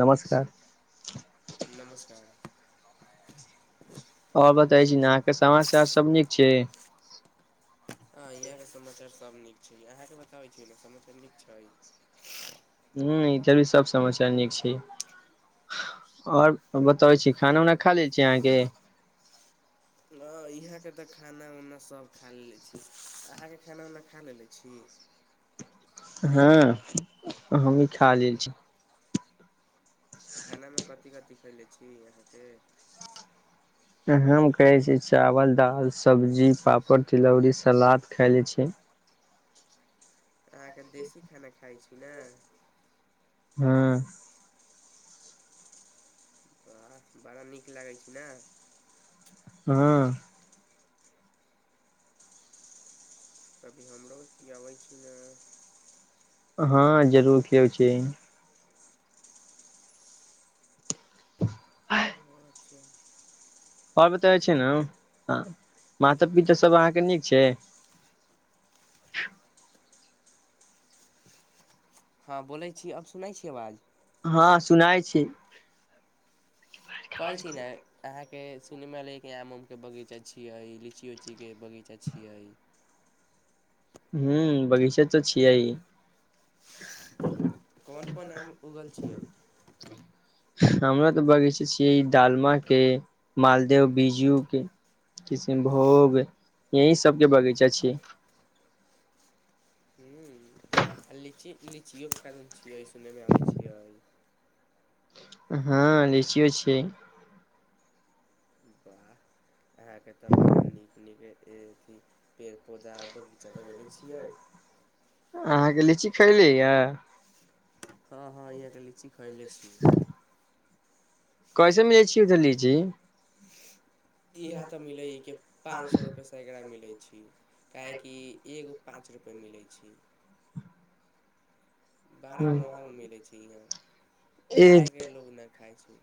नमस्कार। नमस्कार। आओर बताै छी न, अहाँके समाजवार सब नीक छै। हँ, यहाँके समाचार सब नीक छै, अहाँके बताबै छी ने समाचार नीक छै। हाँ, इधर भी सब समाचार नीक छै, आओर बतबै छी खाना उना खा ली चियागे हाँ, यहाँ के तऽ खाना उना सभ खा लेे छी, अहाँके खाना उना खा लेे छी। हाँ हमी खा लेल छी। खाना मे क कथी-कथी खेलै छी अहाँ के। हम खाय छी चावल, दाल, सब्जी, पापड़, तिलौरी, सलाद खायलै छी। अहाँके देशी खाना खाइ छै। कि नहि हाँ। हाँ बड़ा नीक लागै छी ना। हाँ। कभी हमरो खियाबै छी ने। हाँ जरूर खियोऊ छी। [unintelligible] [unintelligible] और बताई छै ने हां। माता-पिता सब अहाँ के नीक छै। हाँ बोलै छी, अब सुनै छी अवाज। हाँ सुनाय छी। कहै छी ने अहाँ के सुने मे एले या की आम-उम के बगीचा छीये, लीची-उची के बगीचा छियै। ह्म्म बगीचा ते छियै ई। कोन-कोन आम उगल छियै। हमरा तऽ बगीचा छियै ई दालमा के, मालदेव, बीजू के, किशनभोग एही सब के बगीचा छिये। ह्म लीची, लीचियो के कारण छियै सुनै मे आबै छियै। हाँ लीचीयो छै। अहाँ के तऽ बड़ा नीक-नीक ए एथी पेड़-पौधा बगीचा लगेली। छियै। अहाँ के लीची खेएली या। हाँ-हाँ या ते लीची। खेएलै छी। कैसे मे लीची देली जी। इहाँ ते मिले ई के पान सौ रूपे सैकड़ा मिले छी। काहे कि एगो पाँच रुपैए मिलै छै। बड़ा महग मिलै छै यहाँ, खाय के लोग ने खाय छी।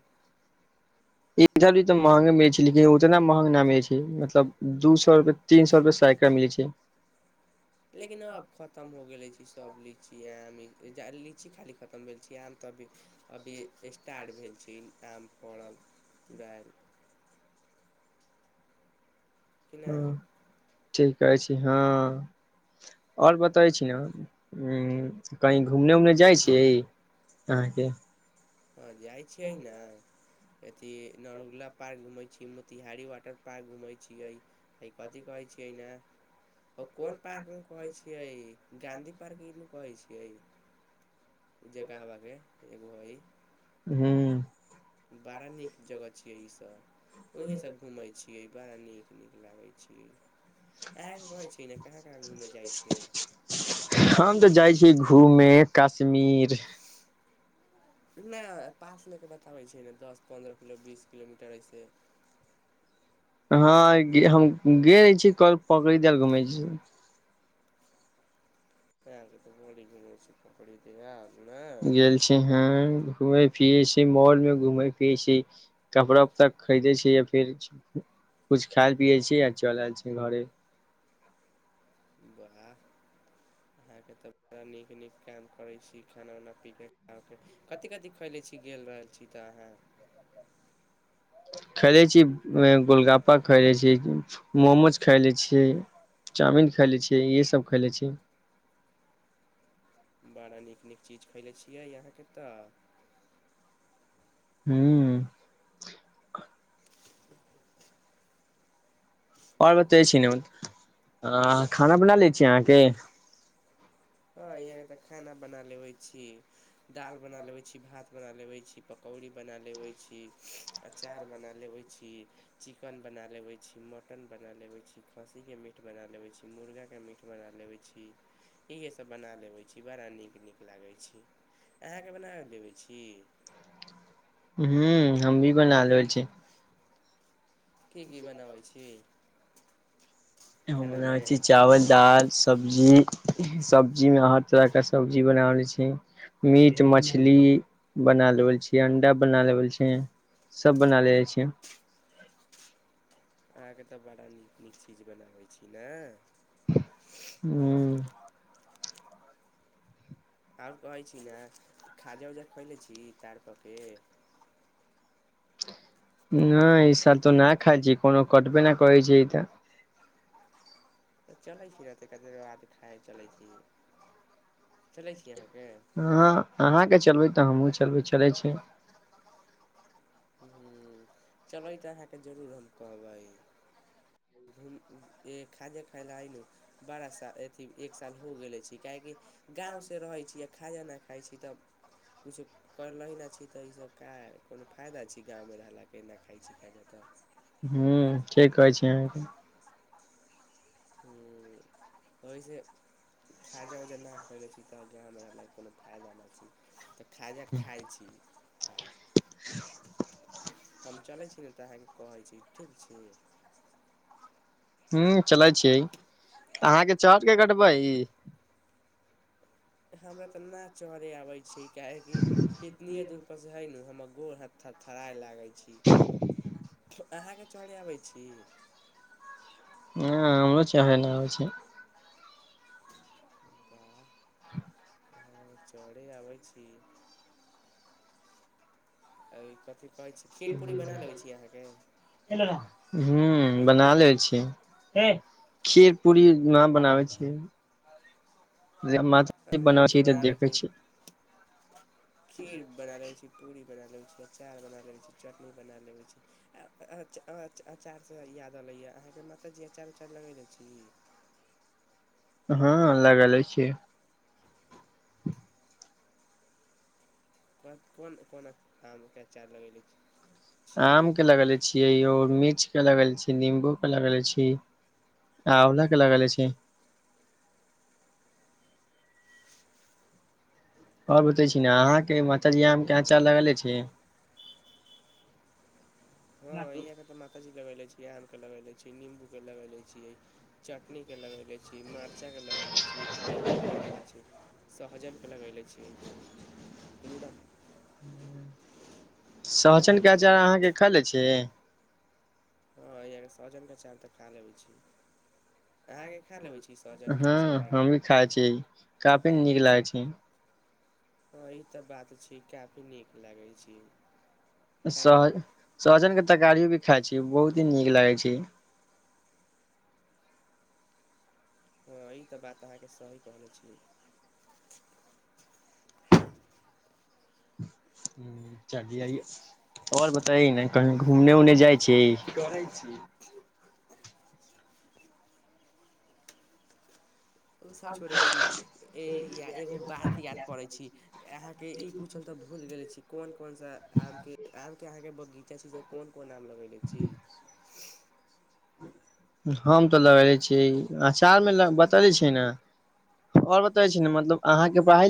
इधर भी तऽ महंगे मिलै छै, लेकिन उतना महंग ना मिलै छै, मतलब दू सौ रुपए, तीन सौ रुपए सैकड़ा मिलै छै। लेकिन अब खतम हो गेलै छै। सब लीची, आम ई जा लीची खाली खतम भेल छी आम ते अभी, अभी स्टार्ट भेल छी आम। [unintelligible] कि नहि हाँ ठीकै छी हाँ। और बताई छी ना। ह्म्म कही घूमने-उमने जाय छी अहाँ के। अहाँ जाय छियै ने। अथि नरगुला पार्क घूमे छी, मोतिहारी वाटर पार्क घूमे छीये, ए कथि कहै छीयै ने ओ कोन पार्क मे कहे छियै गांधी पार्क ही ने कहै छिये। जे कहबा के एगो ई ह्म्म। बाड़ा नीक जगह छै। यही सब ओहें सब घूमेै छीयै बड़ा नीक नीक लागै छी। अहाँके कहै ने कहाँ कहाँ घूमय जाइ छियै हम ते जाय छी घूमे कश्मीर। नै पास ले के बताबै छी नै दस, पन्द्रह किलो बीस किलोमीटर ऐसे। हाँ गे हम गेल छी कल [unintelligible] घूमै छी। [unintelligible] गेल छी हाँ घूमे-फिरे छी, मॉल मे घूमे-फिरे छी, कपड़ा-उपड़ा खरीदे छी या फिर कुछ खाएल पिये छी, आ चल आएल छी घरे। वाह अहाँ के तऽ बड़ा नीक-नीक काम करै छी, खाना-उना पीबै खा के, कथि-कथि खएले छी गेल रहल छी ते अहाँ। प खेएलै छी, मोमोज खेएलै छी, चाउमिन खेएलै छी, इहे सब खेएलै छी। बड़ा नीक-नीक चीज खेएले छियै इहाँ के तऽ। ह्म्म। और बताई छी नु। आ। खाना बना लै छीये अहाँ के। हाँ यहाँ ते खाना बना लेबे छी, दाल बना लेबे छी, भात बना लेबे छी, पकौड़ी बना लेबे छी, अचार बना लेबे छी, चिकन बना लेबे छी, मटन बना लेबे छी, खस्सी के मीट बना लेबे छी, मुर्गा के मीट बना लेबै छी, इहे सब बना लेबै छी, बड़ा नीक-नीक लागै छी। अहाँके बना लेबै छी ह्म्म। हम भी बना ले छी। की-की बनाबै छी। हम बनाबे खानामे छी चावल, दाल, सब्जी, अहाँके सब्जी में हर तरह का सब्जी बना ले छी। से मीट मछली। बना लेवल छी अंडा बना लेवल छी। सब बना ले जाइ छ। अहाँ के ते बड़ा नीक-नीक चीज बनाबै छी नै। ह्म्म। और कहै छी ने खाजा-उजा खेएलै छी तार कऽ के। नै ई साल तऽ ना खाएल छी, कोनो कटबै नै करै छै ई ते। चलै छी [unintelligible] चलै छी चलै छीये। अहाँ आह्नान के चलबै तऽ हमूँ चलबे छी। करै छै। ह चल ई तऽ अहाँके जरूर हम कहबै खादे खाय ल ने बारह साल अथी एक साल हो गेले छै काहेकि। गाँवसँ रहैत छी आ खाजा नहिा खाइत छी तब। किछु करि लै नहि छी तऽ ई सब क अपनो। खाय डाय छी गमे रहल क न खाय छी। ह ठीक कहै छै अहाँके [unintelligible] ह ओहिसे। खाजा ऊजा न आखै छी। त जाँ हमरा ल कोनो फायदा नहि छै तऽ। खाजक खाइ छी। [unintelligible] हम चलै छी ने तऽ अहके कहै छी ठीक छी। हू चलै छिय। अहाँके चर के कटबै। हमरा तऽ ना चहरे आबे छी। कहे की कितनीे दूर पर से है न हम्मर गोड़ हथ थर थड़ाई लागे छै। अहाँके चढ़ आबै छी। ह हमरो चाह न आबे छै। चढ़ै आबै छी। एहि। [unintelligible] [unintelligible] ह बना ले छी खीर पूरी न बनाबै छीये। बनाबै हम तऽ छियै बना ले देखै छी छियै खीर बना ले छी पूरी बना ले छी। अचार बना लेै छी चटनी बना लेबै छी अचारसँ याद अलैए अहाँके मताजी अचार उचार लगैने छी। हँ लगे छिय। ब कोन कोन आमके अचार लगले छी। आम के लगेले छि यै मिर्च के लगेले छी नींबू। अलग रहै छी, आंवला के लगाला छी। और बताई छी ने अहाँ के माता जी आम के अचार लगाले छी। हाँ यहाँ के ते माता जी लगेेले छै। ई आम के लगैेले छी, निम्बू के लगेले छियै, चटनी के लगैेले छियै, मा चा के लगैले छी, कटहल के लगैले छी। सहजन के लगले छि। [inaudible] सोहजन के अचार अहाँके खा ले छै। [unintelligible] सहजन के अचार तऽ खा लेबै छी। अहाँके खा लेबै छी सहजनके हाँ अचार हमी खा छी, काफी नीक लागै छी। हाँ ई ते बात छी काफी नीक लागै छी। सह, खायमे सहजन के तरकारी भी खाय छी, बहुत ही नीक लागै छै। हाँ ई ते बात अहाँ के सही कहै छी। ह्म्म चलिये। और बताई ने कही घूमने-उमने जाय छी। करै छी उ सब छोड़ै छी ए या एगो बात याद पड़ै छी, अहाँ के ई पूछल ते भूल गेले छी कोन-कोन सा आम के, आम के अहाँ के बगीचा छी से कोन-कोन आम लगेले छी। हम ते लै छी, अचार मे बताबै छी। ई ना।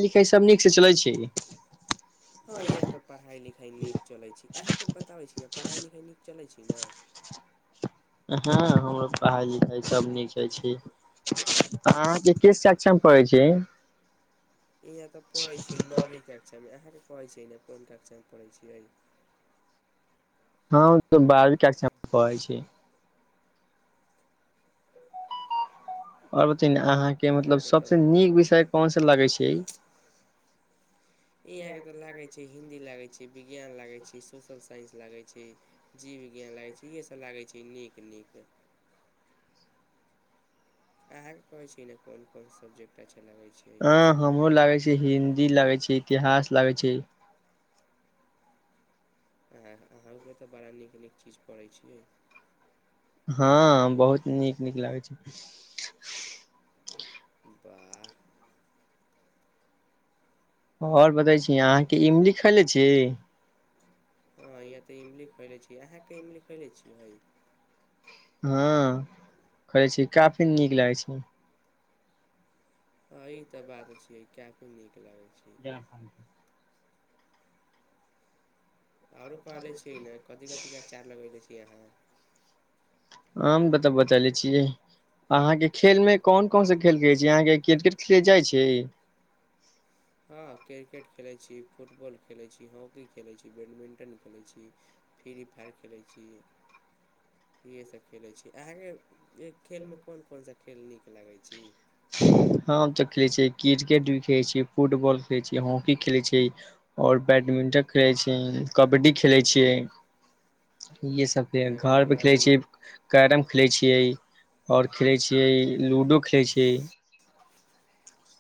लिखाइ सब नीक से चलै छै हाँ इहां के ते पढ़ाई-लिखाई नीक चलै छै, अहाँ के बताबै छी ने पढ़ाई-लिखाई नीक चलै छी ना। हाँ हमर पढ़ाई-लिखाई सब नीक चलै छी, अहाँ के कक्षा मे पढ़ै छी इहाँ ते पढ़ै छी नौवी कक्षा मे, अहाँ पढ़े छीये ना कुन कक्षा मे पढ़ै छियै। हम ते बारवीं कक्षा मे पढ़ै छी। और बताई ने अहाँ के मतलब अहाँके तऽ सबसे नीक विषय कोन से लागे छै। इहां के ते लागे छै हिन्दी लागे छी, विज्ञान लागै छी, सोशल साइंस लागै छी, जीव विज्ञान लागै छी, इहे सब लागै छी नीक-नीक। अहाँ के कहै छी ने कोन-कोन सबजेक्ट अच्छा लगै छै अ हमरो लागे छै हिन्दी लागे छै, इतिहास लागे छै। आँ अहों के ते बड़ा नीक-नीक चीज पढ़े छियै। हाँ बहुत नीक-नीक लागै छै। वाह। और बताई छी अहाँ के इमली खयले छी। हाँ इहाँ ते इमली खैले छी, अहाँ के इमली खैएले छियै। हाँ खाय छी, काफी नीक लागै छै। अ ई ते बात छिये किया नी क लागै छी। आरो कहलै छी ने कथी-कथी के अचार लगैले छी अहाँ। हमम त तऽ [unintelligible] बताले छियै अहाँके खेलमे कोन कोन सा खेल खेलय छी, अहाँ क्रिकेट खेलय जाइ छी? हँ क्रिकेट खेलै फुटबॉल खेलय छी हॉकी खेलय छी, बैडमिंटन खेलय छी फ्री फाइव खेलय छी इहे सब खेलय छी, अहांके एक खेलमे कोन कोन सा खेल नीक लगै छी? हम त खेलै छी। क्रिकेट भी खेलै छी फुटबॉल खेलै छी हा की खेले छी और बैडमिंटन खेले छी। कबड्डी खेलै छियै, इहे सब अहाँके तऽ घर पर बड़ा खेलै नीक छियै कैरम खेलै छियै, आओर खेलै छियै लूडो खेलै छियै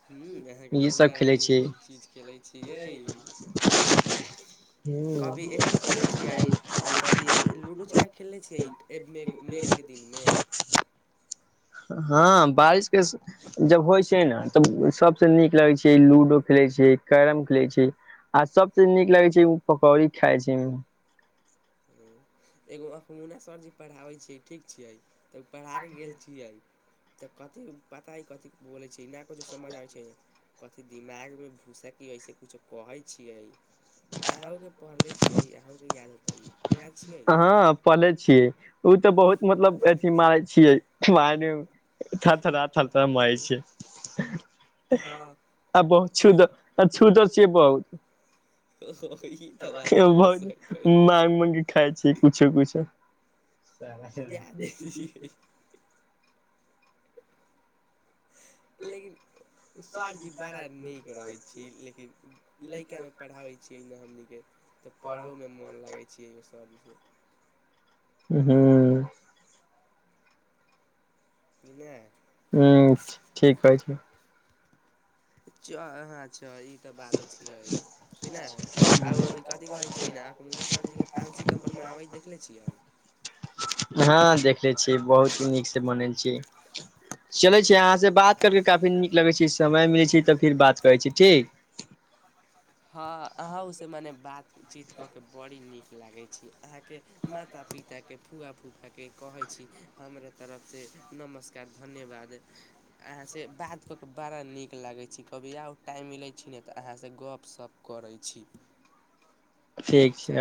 हां अहाँके त इहे सब बड़ा खेलै नीक छियै नीक चीज खेलै छियै। हूं कभी अथी खेलले छियै हय कथी लूडो छक्का खेलले छियै मेघ के दिन मे? हं। हां बारिशके जब होइ छै ने त सभसँ नीक लगैत छै लूडो खेलै छियै, कैरम खेलै छियै आ सभसँ नीक लगैत छै ओ पकौड़ी खाइ छियै। एगो अंखमुना सरजी पढ़ाबै छै ठीक छियै। त पढ़ाके गेल छियै। त कथि पता हइ कथि बोलै छै नहि कछो समझ आबै छै, कथि दिमाग मे घुसक ऐसे कुछो कहै छियै। अहुंके पढ़ले छियै अहुं के याद हेतै याद छै हँ पले छियै ओ तऽ बहुत मतलब [unintelligible] थर थरा थर थरा मारै छै आ बहुत छुद आ छुदर छै बहुत। बहुत ओ ई तऽ बात अहाँके सही बहु कहली माग मगी खााय छी किछो कुछो याद [unintelligible] छियै लेकिन सरजी बड़ा नीक रहै छी लेकिन लड़कामे पढ़ाबै छियै हमनीके त पढ़यमे मोन लागै छै सरजी। हुं। नै। हुं ठीक कहै छै। च हँ च ई। सब बात छियै कि नहि आओर कथी कहै छियै अहाँके मुना सरजीके पाँच सितम्बर मनाबैत देखले छियै। हां, देखने छियै बहुत नीक से मनल छै। चले छै अहाँ से बात करके काफी नीक लगे छै समय मिलै छै। त फिर बात करै छी ठीक। हां, अहुं से मने बातचीत क के बड़ा नीक। लागै छी। अहाँ के माता-पिता के फुआ-फूफा के कहै छी हमरे तरफ से नमस्कार, धन्यवाद अहाँ से बात कऽ के बड़ा नीक लागै छी, कभी और टाइम मिलै छी ने ते अहाँ से गप शप करै छी। ठीक छै।